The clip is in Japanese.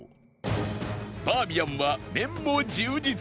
バーミヤンは麺も充実